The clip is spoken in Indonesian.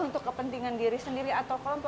untuk kepentingan diri sendiri atau kelompok